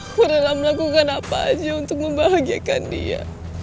aku udah lakukan apa aja untuk membahagiakan dia